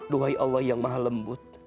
duhai allah yang maha lembut